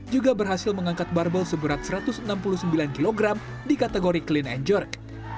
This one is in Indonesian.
juga berhasil mengangkat barbel seberat satu ratus enam puluh sembilan kg di kategori clean and jerk